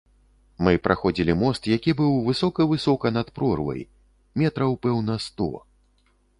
Мы праходзілі мост, які быў высока-высока над прорвай, метраў, пэўна, сто.